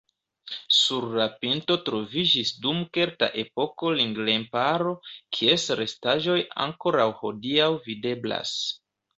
Sur la pinto troviĝis dum kelta epoko ring-remparo, kies restaĵoj ankoraŭ hodiaŭ videblas.